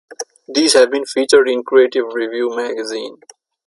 These have been featured in Creative Review magazine.